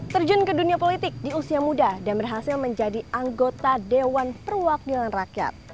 terjun ke dunia politik di usia muda dan berhasil menjadi anggota dewan perwakilan rakyat